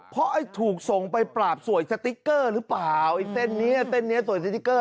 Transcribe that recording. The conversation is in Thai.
เพราะไอ้ถูกส่งไปปราบสวยสติ๊กเกอร์หรือเปล่าไอ้เส้นนี้เส้นนี้สวยสติ๊กเกอร์